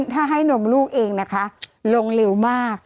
ถ้าให้นมลูกเองนะคะลงเร็วมาก